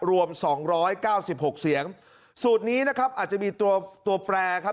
รวม๒๙๖เสียงสูตรนี้นะครับอาจจะมีตัวตัวแปรครับ